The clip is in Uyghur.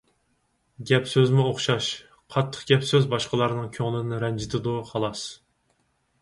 گەپ-سۆزمۇ ئوخشاش. قاتتىق گەپ-سۆز باشقىلارنىڭ كۆڭلىنى رەنجىتىدۇ، خالاس.